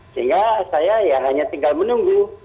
sehingga saya ya hanya tinggal menunggu